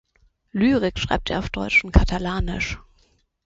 Lyrik schreibt er auf Deutsch und Katalanisch.